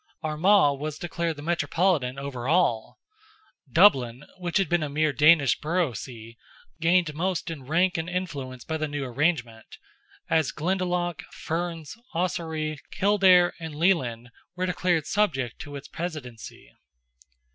Armagh was declared the metropolitan over all; Dublin, which had been a mere Danish borough see, gained most in rank and influence by the new arrangement, as Glendalough, Ferns, Ossory, Kildare and Leighlin, were declared subject to its presidency.